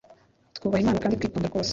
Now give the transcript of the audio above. twubaha Imana kandi twitonda rwose.